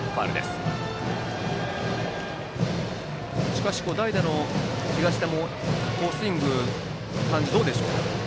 しかし代打の東田もスイング、どうでしょうか。